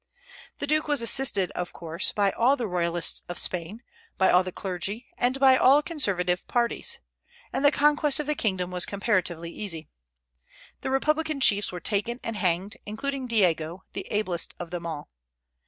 The Duke was assisted, of course, by all the royalists of Spain, by all the clergy, and by all conservative parties; and the conquest of the kingdom was comparatively easy. The republican chiefs were taken and hanged, including Diego, the ablest of them all.